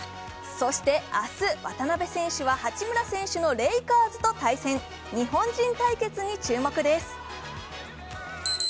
そして明日、渡邊選手は八村選手のレイカーズと対戦。日本人対決に注目です。